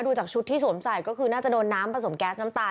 ดูจากชุดที่สวมใส่ก็คือน่าจะโดนน้ำผสมแก๊สน้ำตา